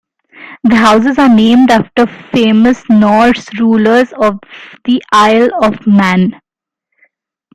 The houses are named after famous Norse rulers of the Isle of Man.